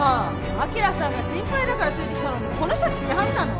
晶さんが心配だからついてきたのにこの人たちなんなの！？